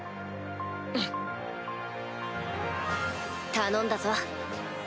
頼んだぞ。